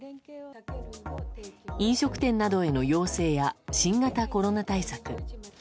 飲食店などへの要請や新型コロナ対策。